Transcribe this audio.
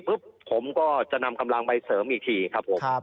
ผมก็จะนำกำลังไปเสริมอีกทีครับผม